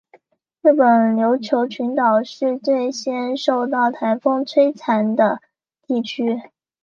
日本琉球群岛是最先受到台风摧残的地区。